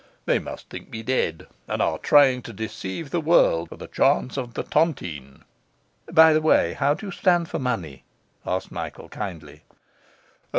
They must think me dead, and are trying to deceive the world for the chance of the tontine.' 'By the way, how do you stand for money?' asked Michael kindly.